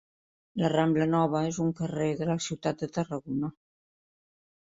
La Rambla Nova és un carrer de la ciutat de Tarragona.